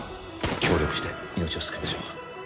協力して命を救いましょう